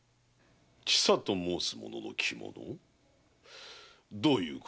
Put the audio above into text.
千佐と申す者の着物？どういうことだ？